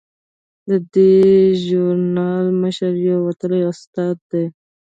د دې ژورنال مشره یوه وتلې استاده ده.